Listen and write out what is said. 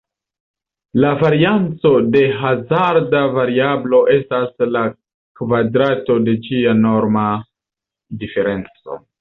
La varianco de hazarda variablo estas la kvadrato de ĝia norma diferenco.